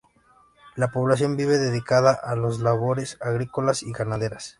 La población vive dedicada a las labores agrícolas y ganaderas.